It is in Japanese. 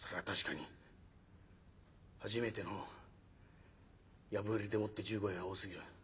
確かに初めての藪入りでもって１５円は多すぎる」。